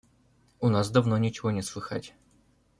– У нас давно ничего не слыхать.